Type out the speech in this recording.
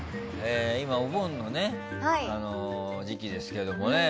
今、お盆の時期ですけどもね。